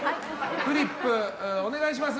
フリップ、お願いします！